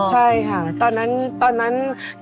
ใช่ค่ะตอนนั้น